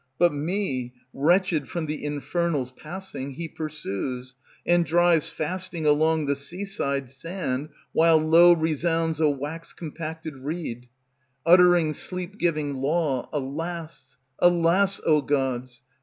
But me, wretched from the Infernals passing, He pursues, and drives fasting along the seaside Sand, while low resounds a wax compacted reed, Uttering sleep giving law; alas! alas! O gods!